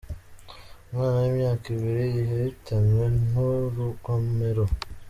Umwana w’imyaka ibiri yahitanywe n’urugomero